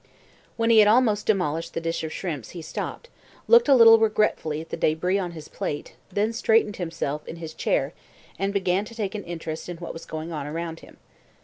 When he had almost demolished the dish of shrimps he stopped, looked a little regretfully at the débris on his plate, then straightened himself in his chair, and began to take an interest in what was going on around him.